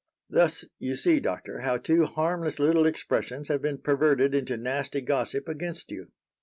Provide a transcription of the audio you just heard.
Thus, you see, Doctor, how two harmless little expressions have been perverted into nasty gossip against you.